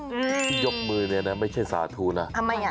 ที่ยกมือเนี่ยนะไม่ใช่สาธุนะ